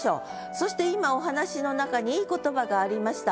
そして今お話の中にいい言葉がありました。